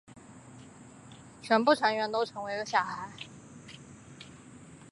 全部成员都成为了小孩。